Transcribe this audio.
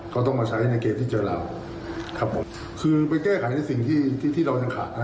ก็ต้องมาใช้ในเกมที่เจอเราครับผมคือไปแก้ไขในสิ่งที่ที่ที่เรายังขาดนะ